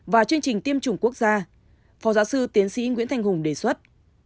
và chương trình tiêm chủng quốc gia phó giáo sư tiến sĩ nguyễn thanh hùng đề xuất